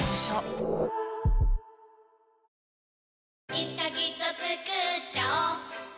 いつかきっとつくっちゃおう